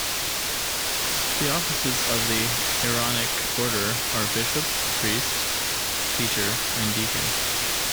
The offices of the Aaronic order are bishop, priest, teacher, and deacon.